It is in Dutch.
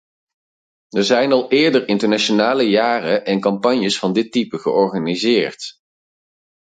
Er zijn al eerder internationale jaren en campagnes van dit type georganiseerd.